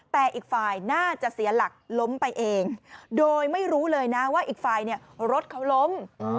แต่อีกฝ่ายน่าจะเสียหลักล้มไปเองโดยไม่รู้เลยนะว่าอีกฝ่ายเนี่ยรถเขาล้ม